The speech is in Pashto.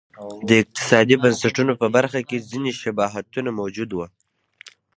د اقتصادي بنسټونو په برخه کې ځیني شباهتونه موجود و.